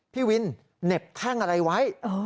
พี่วินเหน็บแท่งอะไรไว้